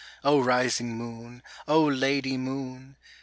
O rising moon ! O Lady moon